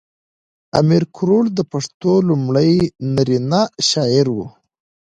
امیر کروړ د پښتو لومړی نرینه شاعر و .